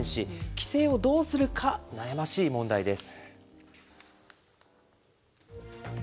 帰省をどうするか、悩ましい問題です。